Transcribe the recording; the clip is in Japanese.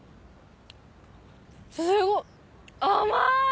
すごっ甘い！